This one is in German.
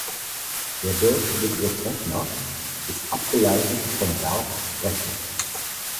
Der deutsche Begriff "Rechner" ist abgeleitet vom Verb "rechnen".